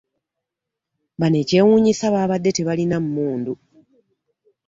Bano ekyewuunyisa baabadde tebalina mmundu